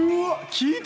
聞いた？